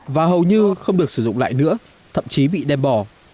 và hầu như không được sử dụng lại nữa thậm chí bị đem bỏ